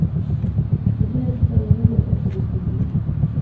Este centro está dividido en tres edificios.